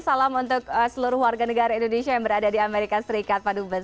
salam untuk seluruh warga negara indonesia yang berada di amerika serikat pak dubes